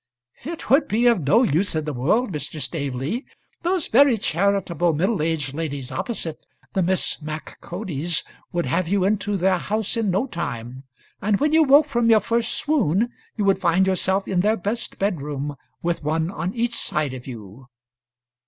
"It would be of no use in the world, Mr. Staveley. Those very charitable middle aged ladies opposite, the Miss Mac Codies, would have you into their house in no time, and when you woke from your first swoon, you would find yourself in their best bedroom, with one on each side of you."